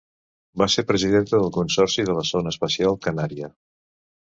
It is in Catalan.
Va ser presidenta del Consorci de la Zona Especial Canària.